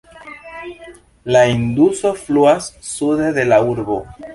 La Induso fluas sude de la urbo.